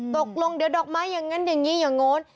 ตกลงเดี๋ยวดอกไม้อย่างนั้นอย่างนี้อย่างโน้น